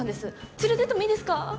連れてってもいいですか？